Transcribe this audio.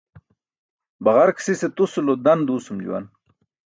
Baġark sise tusu lo dan duusum juwan.